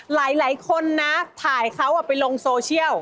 หลายคนนะถ่ายเขาไปลงโซเชียล